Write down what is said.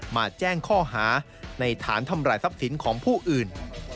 มาแจ้งข้อหาในฐานทำลายทรัพย์สินของผู้อื่น